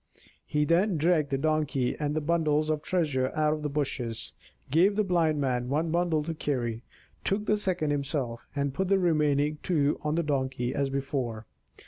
He then dragged the Donkey and the bundles of treasure out of the bushes, gave the Blind Man one bundle to carry, took the second himself, and put the remaining two on the Donkey, as before.